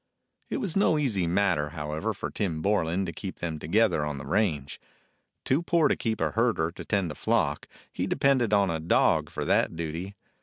It was no easy matter, however, for Tim Borlan to keep them together on the range. Too poor to keep a herder to tend the flock, he depended on a dog for that duty.